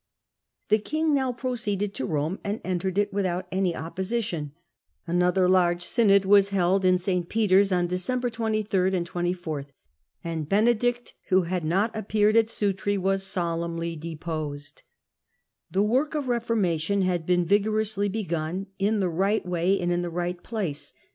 The king now proceeded to Rome and entered it without any opposition. Another large synod was held Henry "^^^' Petcr's ou December 23 and 24, and Se^^ ^ Benedict, who had not appeared at Sutri, was Clement II. solemnly deposed. The work of reformation had been vigorously begun, in the right way and in the right place.